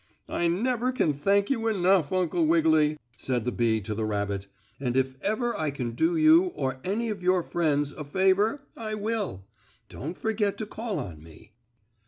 "I never can thank you enough, Uncle Wiggily," said the bee to the rabbit, "and if ever I can do you, or any of your friends, a favor I will. Don't forget to call on me."